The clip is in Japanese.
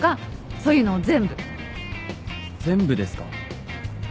全部ですか？